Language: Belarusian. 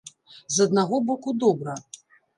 З аднаго боку, добра.